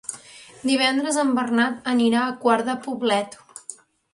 Divendres en Bernat anirà a Quart de Poblet.